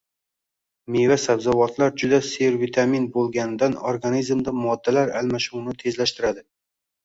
Meva-sabzavotlar juda servitamin bo‘lganidan organizmda moddalar almashinuvini tezlashtiradi.